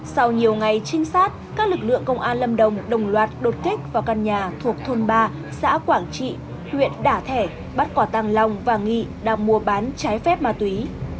sau nhiều ngày trinh sát các lực lượng công an lâm đồng đồng loạt đột kích vào căn nhà thuộc thôn ba xã quảng trị huyện đả thẻ bắt quả tăng long và nghị đang mua bán trái phép ma túy